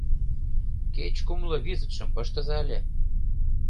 — Кеч кумло визытшым пыштыза ыле.